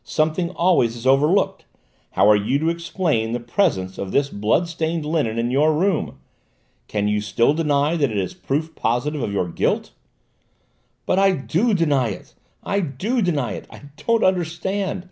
Something always is overlooked! How are you to explain the presence of this blood stained linen in your room? Can you still deny that it is proof positive of your guilt?" "But I do deny it, I do deny it! I don't understand!